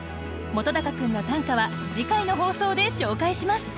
本君の短歌は次回の放送で紹介します。